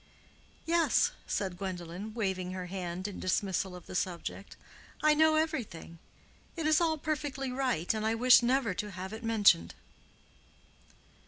"Yes," said Gwendolen, waving her hand in dismissal of the subject. "I know everything. It is all perfectly right, and I wish never to have it mentioned."